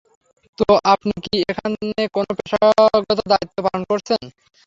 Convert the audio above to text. তো, আপনি কি এখানে কোনো পেশাগত দায়িত্ব পালন করেছন?